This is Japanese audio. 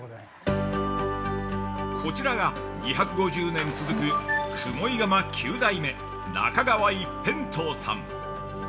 ◆こちらが、２５０年続く雲井窯九代目中川一辺陶さん。